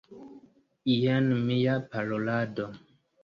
Jen mia parolado.